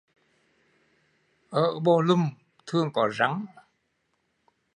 Ở bồ lùm thường có rắn